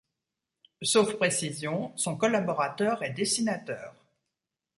Sauf précision, son collaborateur est dessinateur.